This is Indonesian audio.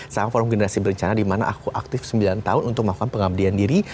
sama forum generasi berencana dimana aku aktif sembilan tahun untuk melakukan pengabdian diri